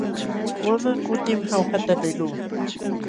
Wamaq kutim Jaujata liqluu.